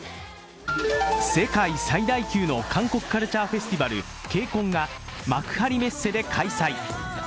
世界最大級の韓国カルチャーフェスティバル、ＫＣＯＮが幕張メッセで開催。